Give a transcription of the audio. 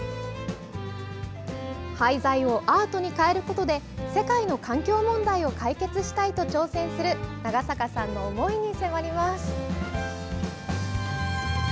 廃材をアートに変えることで世界の環境問題を解決したいと挑戦する長坂さんの思いに迫ります。